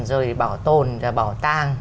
rồi bảo tồn và bảo tàng